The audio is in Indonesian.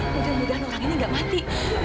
mudah mudahan orang ini gak mati